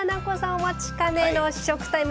お待ちかねの試食タイム。